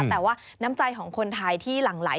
แต่ว่าน้ำใจของคนไทยที่หลั่งไหล